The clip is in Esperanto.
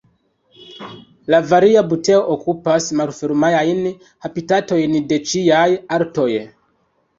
La Varia buteo okupas malfermajn habitatojn de ĉiaj altoj.